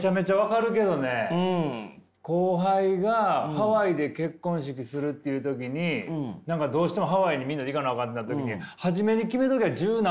後輩がハワイで結婚式するっていう時に何かどうしてもハワイにみんなで行かなあかんってなった時にもったいな。